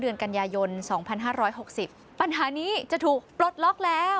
เดือนกันยายน๒๕๖๐ปัญหานี้จะถูกปลดล็อกแล้ว